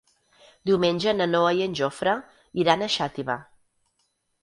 Diumenge na Noa i en Jofre iran a Xàtiva.